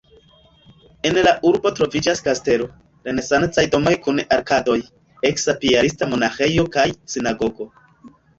En la urbo troviĝas kastelo, renesancaj domoj kun arkadoj, eksa piarista monaĥejo kaj sinagogo.